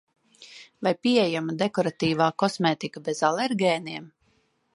Vai pieejama dekoratīvā kosmētika bez alergēniem?